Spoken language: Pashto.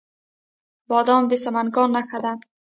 بادام د سمنګان نښه ده.